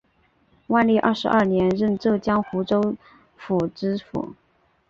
万历二十二年任浙江湖州府知府。